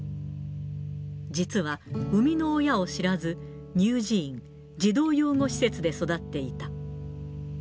実は、産みの親を知らず、乳児院、児童養護施設で育っていた。